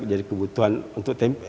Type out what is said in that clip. jadi kebutuhan untuk tempe